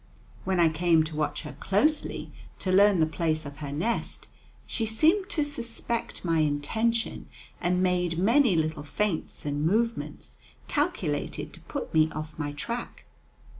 When I came to watch her closely to learn the place of her nest, she seemed to suspect my intention, and made many little feints and movements calculated to put me off my track.